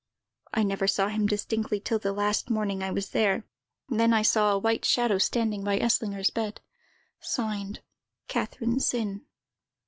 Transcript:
I never saw him distinctly till the last morning I was there; then I saw a white shadow standing by Eslinger's bed. Signed, "CATHERINE SINN.